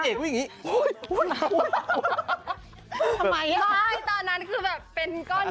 ไม่ตอนนั้นก็เป็นก่อนเนื้อที่ต้นคา